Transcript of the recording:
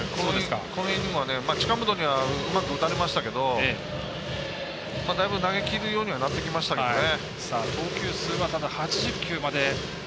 このイニングは近本にはうまく打たれましたけどだいぶ、投げきるようにはなってきましたね。